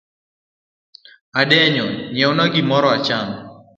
Adenyo nyiewna gimoro acham.